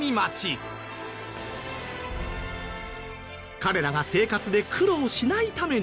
彼らが生活で苦労しないために。